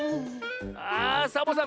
あっサボさん